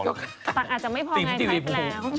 ตักอาจจะไม่พอไงไปแล้ว